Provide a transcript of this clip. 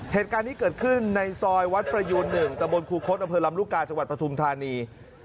เหตุการณ์นี้เกิดขึ้นในซอยวัดประยูน๑ตะบนครูคศอำเภอลำลูกกาจังหวัดปฐุมธานี